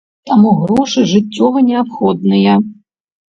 Таму грошы жыццёва неабходныя.